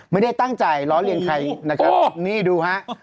ไม่ได้ตั้งใจล้อเลียนใครนะครับนี่ดูฮะ